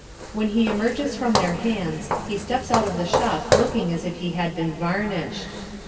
When he emerges from their hands, he steps out of the shop looking as if he had been varnished.